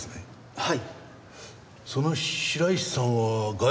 はい。